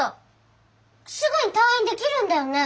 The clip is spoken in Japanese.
すぐに退院できるんだよね？